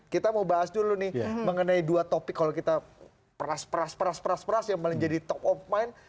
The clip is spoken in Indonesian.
kita mau bahas dulu nih mengenai dua topik kalau kita peras peras peras yang menjadi top of mind